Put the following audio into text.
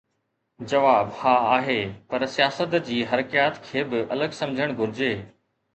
جواب ها آهي، پر سياست جي حرڪيات کي به الڳ سمجهڻ گهرجي.